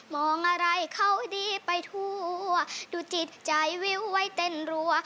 มองอะไรเขาดีไปทั่วดูจิตใจวิวไว้เต้นรัว